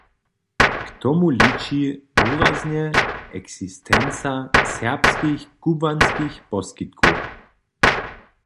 K tomu liči wuraznje eksistenca serbskich kubłanskich poskitkow.